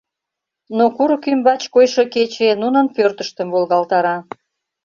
Но курык ӱмбач койшо кече нунын пӧртыштым волгалтара.